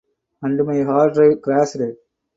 And my hard drive crashed.